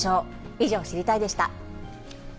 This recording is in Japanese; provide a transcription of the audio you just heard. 以上、知りたいッ！でした。